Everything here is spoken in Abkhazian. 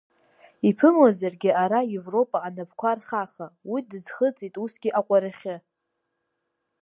Иԥымлазаргьы ара Европа анапқәа рхаха, уи дыӡхыҵит усгьы аҟәарахьы.